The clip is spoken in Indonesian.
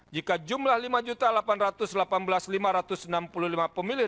jika jumlah lima delapan ratus delapan belas lima ratus enam puluh lima pemilih